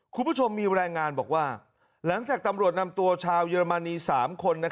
คุณผู้ชมมีรายงานบอกว่าหลังจากตำรวจนำตัวชาวเยอรมนี๓คน